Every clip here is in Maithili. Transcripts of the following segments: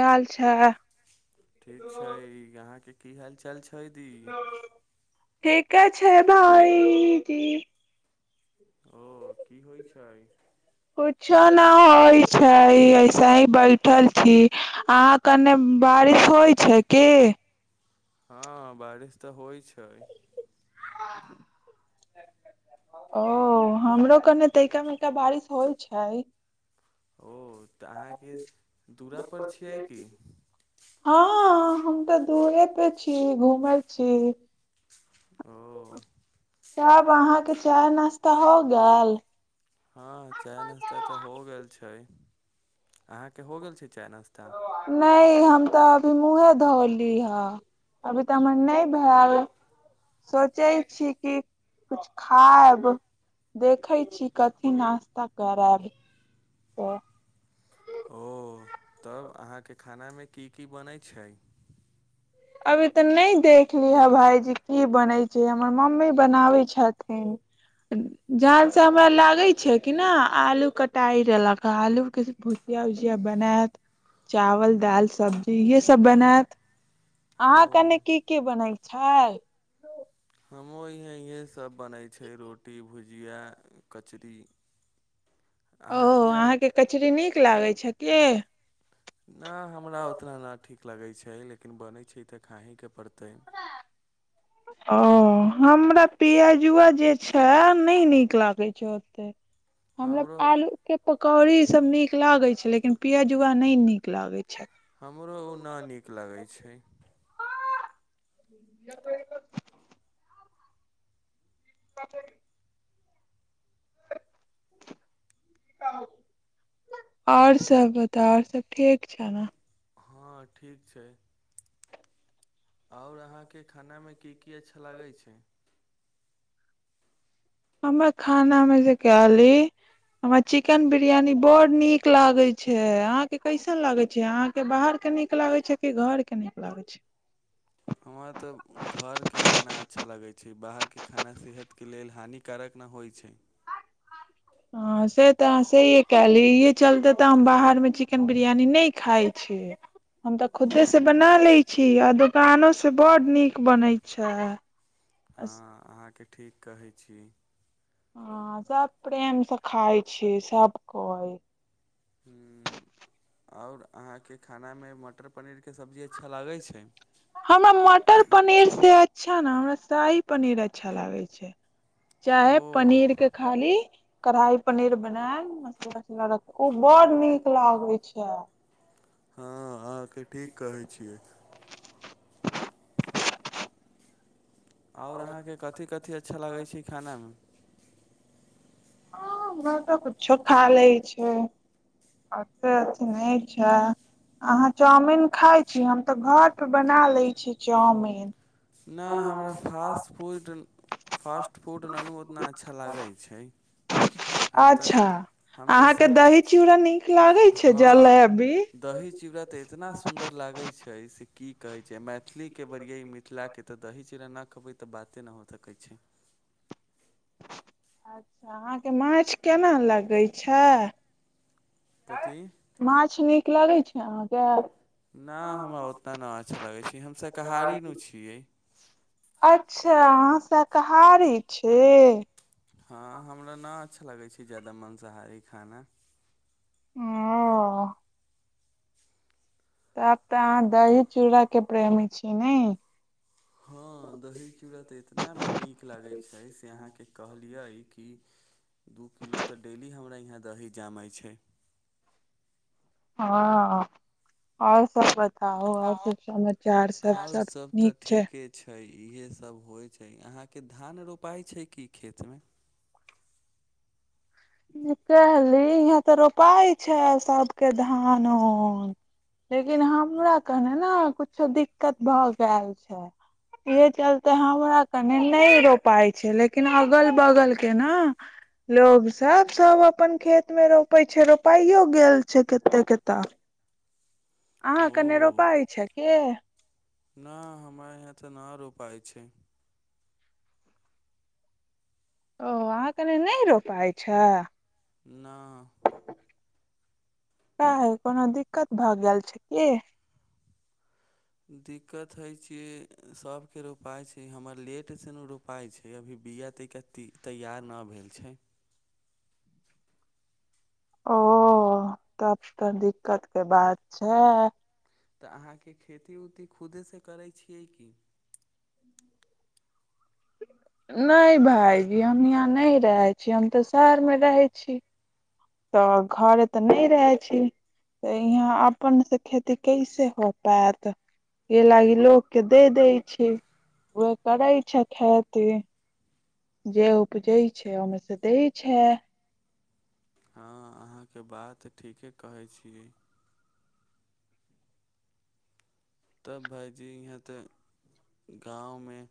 अच्छा ठीक छैय अहाँके की हाल चाल छैय दी? ठीक छैय भाइ की ओ की होइ छैय? कुछो न होइ छैय ऐसे ही बैठल छी अहाँ कने बारिश होइ छैय की? हँ बारिश तऽ होइ छैय। हँ ओ हमरो कने तैका मेका बारिश होइ छैय। तऽ अहाँके दुरा पर छियै कि? हँ हम तऽ दूरे पे छी घूमय छी। ओ तब अहाँके चाय नाश्ता हो गेल? हँ चाय नाश्ता तऽ हो गेल छैय अहाँके हो गेल छैय चाय नाश्ता? नहि हम तऽ अभी मुँहे धोली ह। अभी तऽ मर नहि भैल। सोचै छी कि कुछ खायब। देखै छी कथी नास्ता करायब। ओ तब अहाँके खानामे की की बनैत छै अभी तऽ नहि देख लीहे भाायजी की बनै छै हमर मम्मी बनाबै छथिन ह जान से हमरा लागे छै कि न आलू कटाइ रहलक आलू के यजिया उजिया बनायत चावल दाल सब्जी ये सब बनायत अहाँ ओ कनि की की बनै छै हमहुँ इहे इहे सब बनय छै रोटी भुजिया कचरी अहाँके कचरी नीक लागै छै क नय मरा उतना नहि ठीक लगैत छै लेकिन बनै छै तऽ खाहेके पड़तै ओ हमरा पियाजुआ जे छै नइ नीक लागैत छै ते हमरा हमरो आलू के पकौड़ी सब नीक लागै छै लेकिन पियजुआ नहि नीक लागैत छै हमरो ओ नहि नीक लगै छै [inaudible] [inaudible] ओर सब बता आओर सब ठीक छौ ने हँ ठीक छै ओर अहाँके खानामे की की अच्छा लागै छै हमर खाना मे से कली हमरा चिकेन बिरियानी बड़ नीक लागे छै आहं के कैसन लागे छैहं आहाँ के बाहरके नीक लागैत छै कि घरके नीक लागै छै हमरा तऽ घरके खाना अच्छा लगैत छै बाहरके खाना सेहत के लेल हानिक कारक नहि होइ छै ह से तऽ से ह कहली य चलते तऽ हम बाहर मे चिकेन बिरियानी न खाय छै हम तऽ खुदे से बना ले छी छी आ दकानो से बड नीक बनै छै हँ अहाँके ठीक कहै छी हँ सब प्रेम से खाय छै सब कोइ हूँ ओर अहाँके खानामे मटर पनीरके सब्जी अच्छा लागै छै हमरा मटर पनीर से अच्छा ने हमरा शाही पनीर अच्छा लागै छै चाहे ओ पनीर के खा ली कढ़ाई पनीर बनायल मसला तसूला रख ओ बड़ नीक लागे छै हँ अहाँके ठीक कहै छियै आओर अहाँके कथि कथि अच्छा लगै छै खानामे ह हमरा तऽ कुछो खा लै छै अत अथि नहिच्छा अहाँ चाउमीन खाइ छी हम तऽ घर परे बना लैत छी चाउमीिन नइ हमरा फास्ट फूड फास्ट फूड आनू ओतना अच्छा लागै छै हम तऽ अच्छा हम तऽ अहाँके सक दही चूड़ा नीक लागै छै हँ जलेबी दही चिड़ा तऽ इतना सुन्दर लागे छै से की कहे छै मैथिली के बिय मिथिला कि तऽ दही चीड़ा नहि खेबै तऽ बाते नहि हो सकै छै अच्छा अहाँके माछ केना लगैत छै कथी माछ नीक लगै छै अहाँके नइ हमरा उतना नहि अच्छा लगै छै हम शाकाहारीमे छियै अच्छा अहाँ शाकाहारी छी हँ हमरा नहि अच्छा लगै छै ज्यादा माँंसाहारी खाना ओ तऽ आब तऽ अहाँ दही चूड़ाक के प्रेमी छीयै ने हँ दही चूड़ा त एतना नीक लगैत छै से अहाँके कहलियै कि दू किलो तऽ डेली हमरा यहाँ दही जमाै छै हँ ओर सब ब आउ और सब समाचार सब आओर सब तऽ नीक छै ठीके छै इहे सब होइ छै अहाँके धान रोपाइ छै कि खेतमे कहली इहाँ ते रोपाइ छै सबके धान उन लेकिन हमरा केने ने कुछो दिक्कत भए गल छै इहे चलते हमरा कनि नहि रोपाइ छै लेकिन अगल बगल के ने लोग सब सब अपन खेत मे रोपे छै रोपाइयो गेल छै कते कत ओ रोपाइ छै के नइ हमरा यहाँ तऽ न रोपाय छै ओ अहाँ कनि नइ रोपाइ छ ना के कोनो दिक्कत भए गेल छै की दिक्कत होइ छियै सभके र उपााय छै हमर लेटसँ न रुप पाइ छै अभी बीआ तऽके तैयार नहि भेल छै ओ तब तऽ दिक्कत के बात छै तऽ अहाँके खेती उती खुदेसँ करै छियै की नहि भायजी हम यहाँ नहि रहैत छी हम तऽ शहरमे रहैत छी तऽ घरे तऽ नय रहे छे तऽ यहाँ अपन से खेती कैसे हो पैत एह लागि लोक के दे दै छै ओह करै छै खेती जे उपजै छै ओहिमे से दै छै हँ अहाँके बात ठीके कहै छी तब भायजी इहाँ तऽ गाँवमे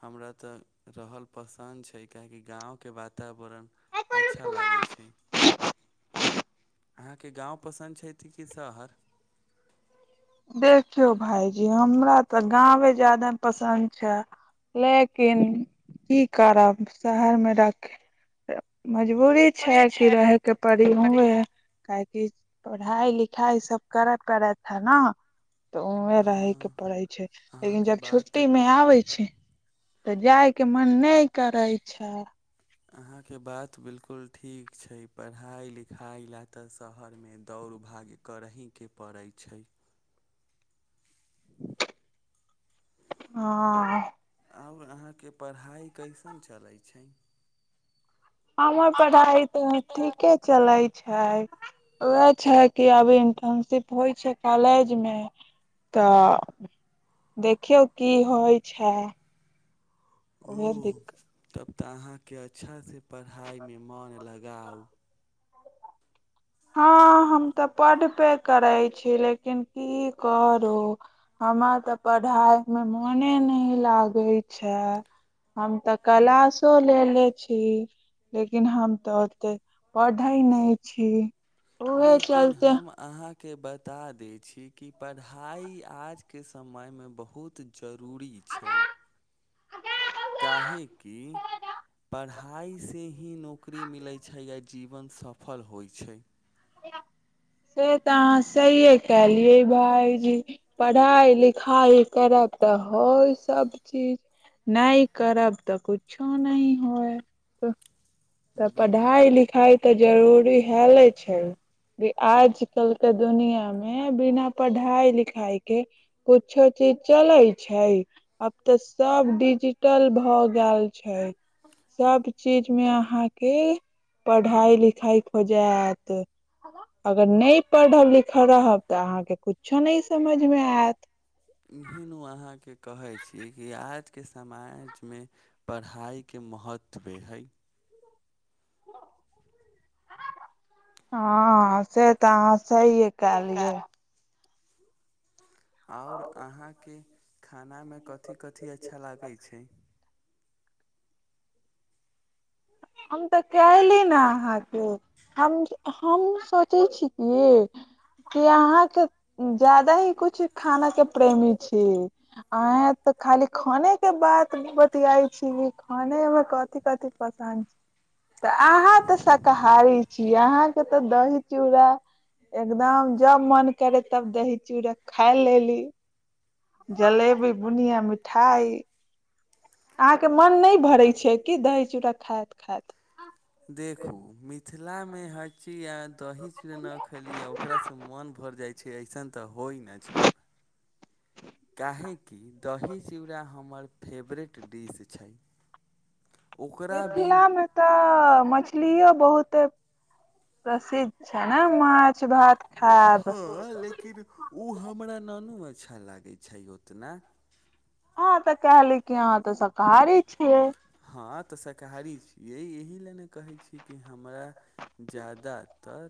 हमरा तऽ रहल पसन्द छै किहकि गाँवके वातावरण अच्छा लागै छै अहाँके गाँव पसन्द छै कि शहर देखियौ भाईजी हमरा तऽ गावे ज्यादे पसन्द छै लेकिन की करब शहर में रख मजबूरी छै कि रहैके पड़ी करीब हुए काहेकि पढ़ाई लिखाई सब करे पड़े हे न त उहे रहे के हँ पड़े छै लेकिन अहाँके जब बात छुट्टी में आबे छै त जाय के मन न करै छै अहाँके बात बिलकुल ठीक छै पढ़ाइ लिखाइ लए तऽ शहरमे दौड़ भागे करहिके पड़ै छै ह आब अहाँके पढ़ाई कइसन चलै छै हमर पढ़ाइ तऽ ठीके चलैत छै उएह छै कि अभी इंटर्नशिप होइ छै कॉलेज में तऽ देखियौ की होइ छै ओ उएह दिक्कत तब तऽ अहाँके अच्छास से पढ़ाइमे मोन लगाउ हँ हम तऽ पढ़बे करै छी लेकिन की करू हमरा त पढ़ाई में मोने न लागे छै हम तऽ क्लशो लेलेे छी लेकिन हम तऽ ओते पढ़ै नहि छी उहे लेकिन चलते हम अहाँके बता दै छी कि पढ़ाई आज के समय में बहुत जरूरी छै काहेेकी पढ़ाइसँ ही नौकरी मिलै छै आओ जीवन सफल होइ छै [inaudible] से तऽ अहाँ सहिए कलियै भायजी पढ़ाइ लिखाइ करब तऽ होइ सभ चीज न करब त कुछो न होय त बिलकुल पढ़ाई लिखाई त जरूरी हए ले छै आजकल के दुनिया मे बिना पढ़ाई लिखाई के कुछो चीज चलै छै आब तऽ सब डिजिटल भए गेल छै ई सब चीज मे अहाँके पढ़ाई लिखाई होइ जैत अगर नइ पढ़ब लिखब रहब त अहाँके कुछो नहि समझ मे आयत एहन ओ अहाँके कहैत छी कि आजके समाजमे पढ़ाई के महत्त्व हई हँ से तऽ अहाँ सहिए कलिये ओर अहाँके खानामे कथी कथी अच्छा लागैत छै हम तऽ कली ने अहाँके हम हम सोचै छी की कि अहाँके जादा ही कुछ खाना के प्रेमी छी अहे तऽ खाली खाने के बात बतियाई छी खाने मे कथि कथी पसन्द तऽ अहाँ तऽ शाकाहारी छीय अहाँके तऽ दही चूड़ा एकदम जब मन करे तब दही चूड़ा खा लेली जलेबी बुनिया मिठाई अहाँके मन नहि भरै छै कि दही चूड़ा खायत खायत देखू मिथिलामे हँची आ दही चरनक खली आ ओकरा सँ मोन भरि जाइ छै अइसन त होइ न छै काहेकि दही चूरा हमर फेवरेट डिश छै ओकरा बिन मिथिलामे तऽ मछलियो बहुत प्रसिद्ध छै ने माछ भात खायब हँ लेकिन ओ हमरा नानू अच्छा लागै छै ओतना हँ त कहली की अहाँ त शाकाहारी छियै हँ तऽ शाकाहारी छियै एहि लए ने कहैत छी कि हमरा जादातर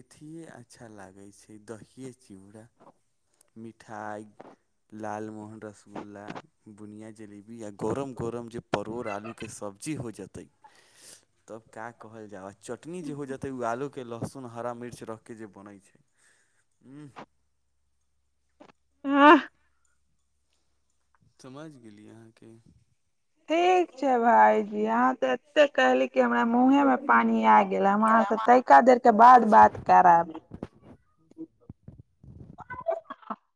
अथे अच्छा लागै छै दहिए चिड़ा मिठाइ लालमोहन रसगुल्ला बुनिया जलेबी गोरम गोरम जे परोड़ आलूके सब्जी हो जेतै तब क्य कहल जा चटनी जे हो जेतै ओ आलू के लहसुन हरा मिर्च रखके जे बनैत छै ह ह समैझ गेलियै अहाँ के ठीक छै भाईजी अहा ते एते कहली क हमरा मुंहे में पानी आ य गेल हम वहाँ से गेलामा तैका देर के बाद बात क रहली